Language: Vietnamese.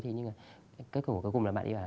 thế nhưng mà kết cục của cuối cùng là bạn ấy bảo là